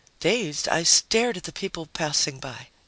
Dazed, I stared at the people passing by.